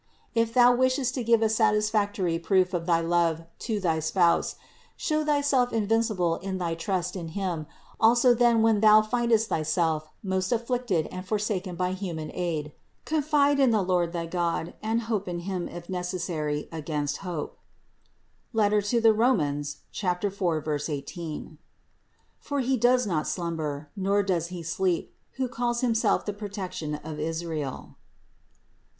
If thou wishest to give a satisfactory proof of thy love to thy Spouse, show thyself invincible in thy trust in Him 300 CITY OF GOD also then when thou findest thyself most afflicted and for saken by human aid; confide in the Lord thy God, and hope in Him, if necessary, against hope (Rom. 4, 18). For He does not slumber, nor does He sleep, who calls Himself the protection of Israel (Ps.